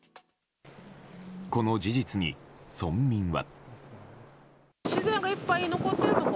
この事実に村民は。